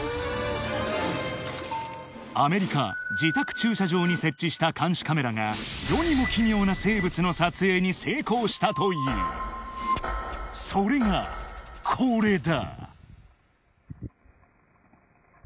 自宅駐車場に設置した監視カメラが世にも奇妙な生物の撮影に成功したというそれがこれだ！